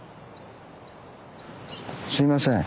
すいません。